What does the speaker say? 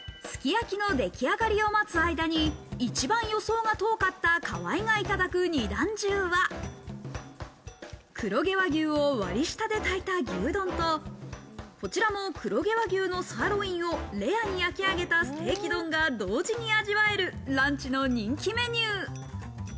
すき焼きの出来上がりを待つ間に一番予想が遠かった河合がいただく二段重は、黒毛和牛を割下で炊いた牛丼と、こちらも黒毛和牛のサーロインをレアに焼き上げたステーキ丼が同時に味わえるランチの人気メニュー。